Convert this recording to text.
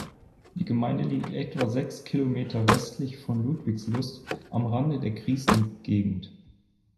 Die Gemeinde liegt etwa sechs Kilometer westlich von Ludwigslust am Rande der Griesen Gegend.